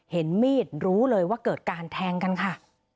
เห็นมีดรู้เลยว่าเกิดการแทงกันค่ะ